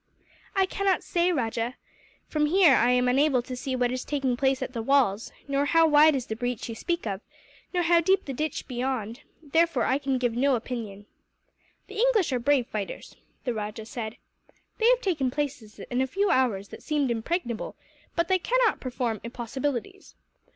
"I cannot say, Rajah. From here I am unable to see what is taking place at the walls, nor how wide is the breach you speak of, nor how deep the ditch beyond; therefore I can give no opinion." "The English are brave fighters," the rajah said. "They have taken places in a few hours that seemed impregnable, but they cannot perform impossibilities.